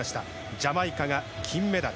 ジャマイカが金メダル。